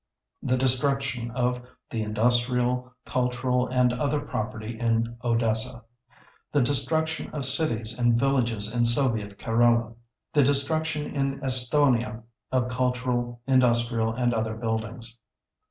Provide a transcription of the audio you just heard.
The destruction of the industrial, cultural, and other property in Odessa. The destruction of cities and villages in Soviet Karelia. The destruction in Estonia of cultural, industrial, and other buildings.